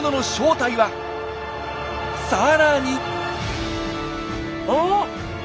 さらに！